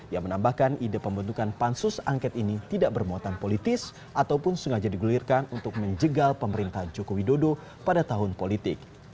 yang menambahkan ide pembentukan pansus angket ini tidak bermuatan politis ataupun sengaja digulirkan untuk menjegal pemerintahan joko widodo pada tahun politik